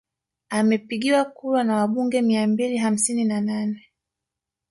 Amepigiwa kura na wabunge mia mbili hamsini na nane